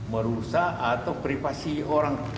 merusak atau privasi orang